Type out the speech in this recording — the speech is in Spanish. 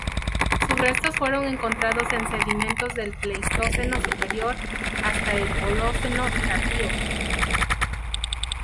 Sus restos fueron encontrados en sedimentos del Pleistoceno superior, hasta el Holoceno tardío.